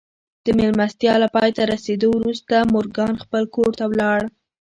د مېلمستيا له پای ته رسېدو وروسته مورګان خپل کور ته ولاړ.